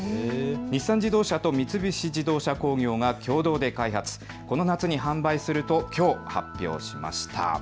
日産自動車と三菱自動車工業が共同で開発、この夏に販売するときょう発表しました。